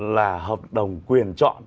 là hợp đồng quyền chọn